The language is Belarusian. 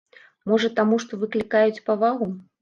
Можа, таму, што выклікаюць павагу?